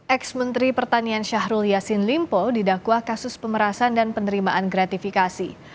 ex menteri pertanian syahrul yassin limpo didakwa kasus pemerasan dan penerimaan gratifikasi